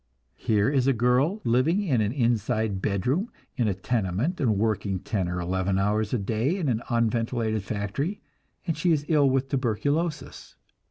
Here is a girl living in an inside bedroom in a tenement, and working ten or eleven hours a day in an unventilated factory, and she is ill with tuberculosis.